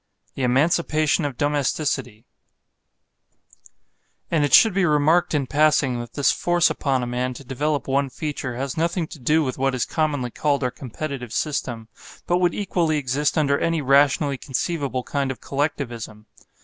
THE EMANCIPATION OF DOMESTICITY And it should be remarked in passing that this force upon a man to develop one feature has nothing to do with what is commonly called our competitive system, but would equally exist under any rationally conceivable kind of Collectivism.